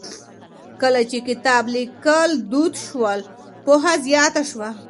کله چې کتاب ليکل دود شول، پوهه زياته شوه.